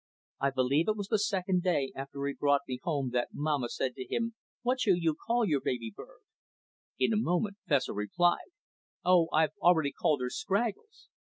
I believe it was the second day after he brought me home that Mamma said to him: "What shall you call your baby bird?" In a moment Fessor replied: "Oh, I've already called her Scraggles.